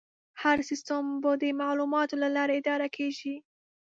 هر سیستم به د معلوماتو له لارې اداره کېږي.